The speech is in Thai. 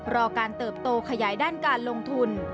รอการเติบโตขยายด้านการลงทุน